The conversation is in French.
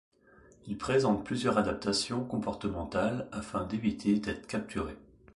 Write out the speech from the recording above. Ils présentent plusieurs adaptations comportementales afin d’éviter d’être capturés.